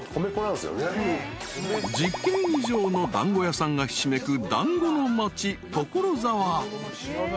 ［１０軒以上の団子屋さんがひしめく団子の町所沢］